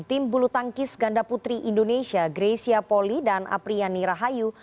tim bulu tangkis ganda putri indonesia greysia poli dan apriyani rahayu